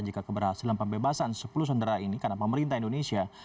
jika keberhasilan pembebasan sepuluh sandera ini karena pemerintah indonesia